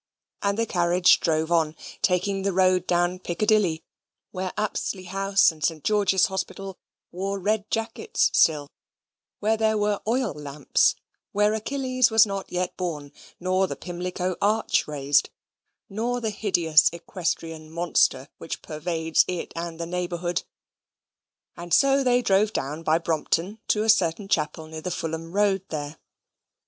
And the carriage drove on, taking the road down Piccadilly, where Apsley House and St. George's Hospital wore red jackets still; where there were oil lamps; where Achilles was not yet born; nor the Pimlico arch raised; nor the hideous equestrian monster which pervades it and the neighbourhood; and so they drove down by Brompton to a certain chapel near the Fulham Road there.